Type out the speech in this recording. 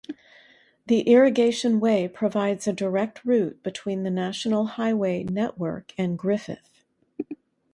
The Irrigation Way provides a direct route between the national highway network and Griffith.